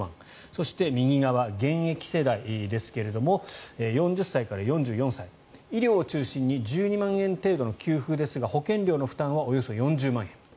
そして右側、現役世代ですが４０歳から４４歳医療を中心に１２万円程度の給付ですが保険料の負担はおよそ４０万円。